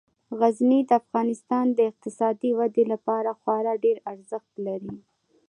غزني د افغانستان د اقتصادي ودې لپاره خورا ډیر ارزښت لري.